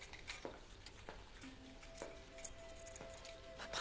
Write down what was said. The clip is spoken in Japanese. パパ